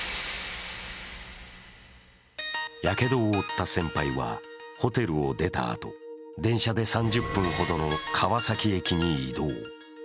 やけどを負った先輩はホテルを出たあと電車で３０分ほどの川崎駅に移動。